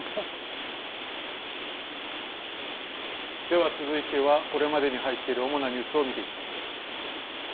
では、続いてはこれまでに入っている主なニュースを見ていきます。